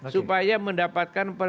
supaya mendapatkan persiduhan dpr